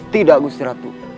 tidak gusti ratu